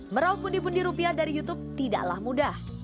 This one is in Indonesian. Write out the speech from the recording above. merauk bundi bundi rupiah dari youtube tidaklah mudah